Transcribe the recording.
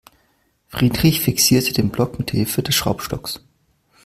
Friedrich fixierte den Block mithilfe des Schraubstocks.